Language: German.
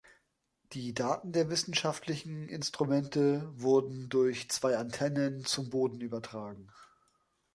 Die Daten der wissenschaftlichen Instrumente wurden durch zwei Antennen zum Boden übertragen.